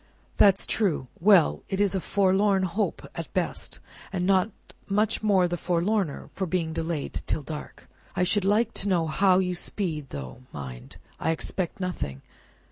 "That's true. Well! It is a forlorn hope at the best, and not much the forlorner for being delayed till dark. I should like to know how you speed; though, mind! I expect nothing!